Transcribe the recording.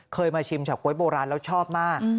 เคยมาชิมเฉาก๊วยโบราณแล้วชอบมาก